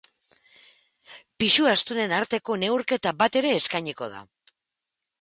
Pisu astunen arteko neurketa bat ere eskainiko da.